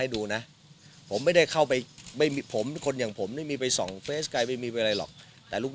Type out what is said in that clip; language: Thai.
ดูนะผมไม่ได้เข้าไปผมคนอย่างผมนี่มีไปส่องเฟสไกลไม่มีไปอะไรหรอกแต่ลูก